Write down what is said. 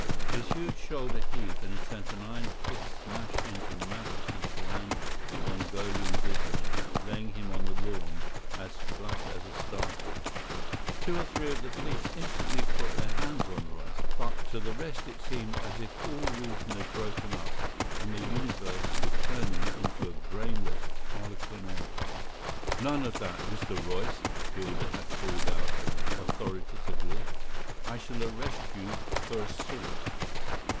His huge shoulder heaved and he sent an iron fist smash into Magnus's bland Mongolian visage, laying him on the lawn as flat as a starfish. Two or three of the police instantly put their hands on Royce; but to the rest it seemed as if all reason had broken up and the universe were turning into a brainless harlequinade. "None of that, Mr. Royce," Gilder had called out authoritatively. "I shall arrest you for assault."